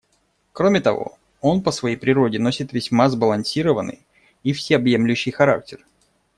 Кроме того, он по своей природе носит весьма сбалансированный и всеобъемлющий характер.